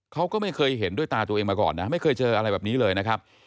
เขาก็ไม่เคยเห็นด้วยตาตัวเองมาก่อนนะไม่เคยเจออะไรแบบนี้เลยนะครับ